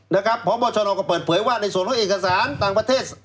นะครับพบชอนองค์ก็เปิดเหวยว่าในส่วนห้อเอกสารตางประเทศ